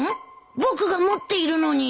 僕が持っているのに